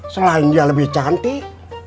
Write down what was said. selain dia lebih cantik